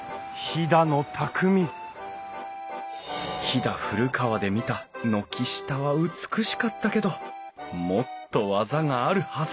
飛騨古川で見た軒下は美しかったけどもっと技があるはず！